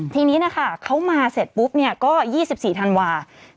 ทีนี้เขามาเสร็จปุ๊บก็๒๔ธันวาคม